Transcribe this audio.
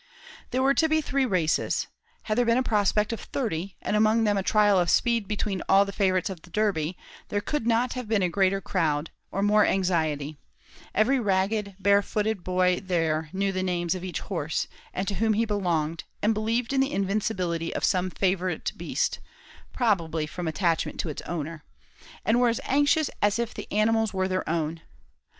There were to be three races. Had there been a prospect of thirty, and among them a trial of speed between all the favourites of the Derby, there could not have been a greater crowd, or more anxiety; every ragged, bare footed boy there knew the names of each horse, and to whom he belonged, and believed in the invincibility of some favourite beast, probably from attachment to its owner, and were as anxious as if the animals were their own.